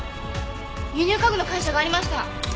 輸入家具の会社がありました！